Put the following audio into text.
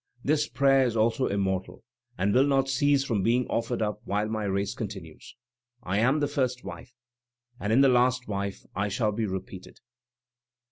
This prayer is also immortal, and will not cease from being offered up while my race continues. I am the first wife; and in the last wife I shall be repeated.